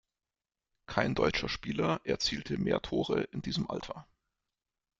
Kein deutscher Spieler erzielte mehr Tore in diesem Alter.